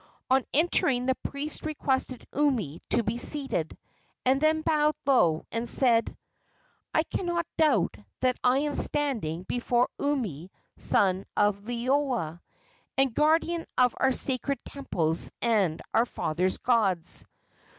On entering the priest requested Umi to be seated, and then bowed low and said: "I cannot doubt that I am standing before Umi, son of Liloa, and guardian of our sacred temples and our fathers' gods."